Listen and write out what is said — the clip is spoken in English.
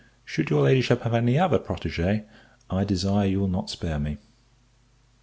Should your Ladyship have any other protegé, I desire you will not spare me.